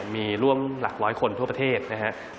มีร่วมหลักร้อยคนทั่วประเทศนะครับ